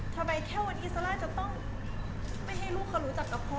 แค่วันนี้ซาร่าจะต้องไม่ให้ลูกเขารู้จักกับพ่อ